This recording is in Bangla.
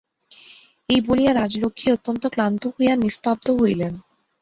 এই বলিয়া রাজলক্ষ্মী অত্যন্ত ক্লান্ত হইয়া নিস্তব্ধ হইলেন।